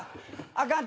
あかん。